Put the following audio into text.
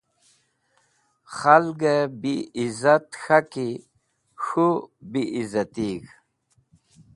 Khalgẽ bi izat k̃haki k̃hũ bi izatig̃h.